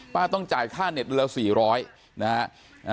ป้าต้องจ่ายค่าเน็ตด้วยละ๔๐๐บาท